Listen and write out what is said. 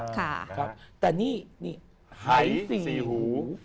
แต่นี่ไม้สี่หู